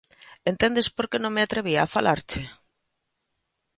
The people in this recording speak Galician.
_¿Entendes por que non me atrevía a falarche?